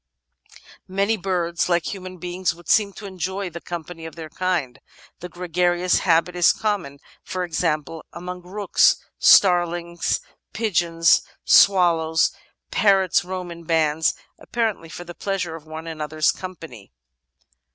Many birds, like human beings, would seem to enjoy the company of their kind. The gregarious habit is common, for example, among rooks, starlings, pigeons, swallows ; parrots roam in bands, apparently for the pleasure of one another's company.